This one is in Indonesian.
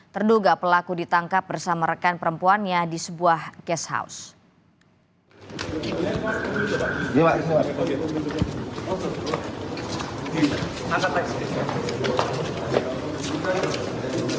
terduga pelaku ditangkap bersama rekan perempuannya di sebuah case house